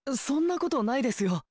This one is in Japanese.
そんなことないですよ。